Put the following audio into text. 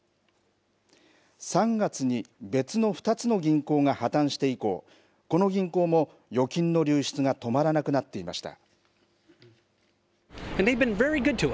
３月に別の２つの銀行が破綻して以降、この銀行も預金の流出が止まらなくなっていました。